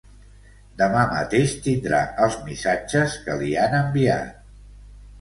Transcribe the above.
Demà mateix tindrà els missatges que li han enviat.